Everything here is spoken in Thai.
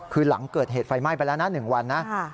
คือหลังเกิดเหตุไฟไหม้ไปแล้วนะ๑วันนะ